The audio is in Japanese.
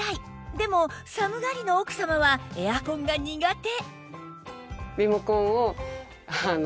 でも寒がりの奥様はエアコンが苦手